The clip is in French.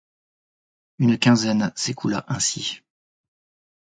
Une quinzaine s’écoula ainsi.